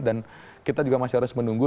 dan kita juga masih harus menunggu